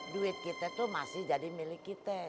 duit kita itu masih jadi milik kita